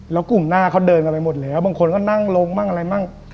แล้วกลุ่มหน้าเขาเดินกันไปหมดแล้วบางคนก็นั่งลงมั่งอะไรมั่ง